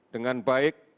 dengan baik dengan baik